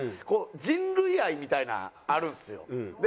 人類愛みたいなあるんですよ。